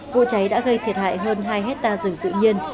vụ cháy đã gây thiệt hại hơn hai hectare rừng tự nhiên